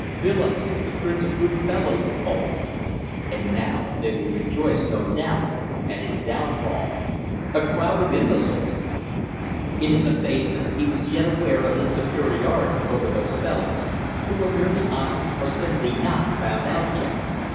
Willems, the prince of good fellows, they called him. And now they will rejoice, no doubt, at his downfall. A crowd of imbeciles. In his abasement he was yet aware of his superiority over those fellows, who were merely honest or simply not found out yet.